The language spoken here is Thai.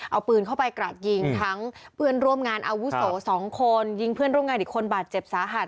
เอาปืนเข้าไปกราดยิงทั้งเพื่อนร่วมงานอาวุโส๒คนยิงเพื่อนร่วมงานอีกคนบาดเจ็บสาหัส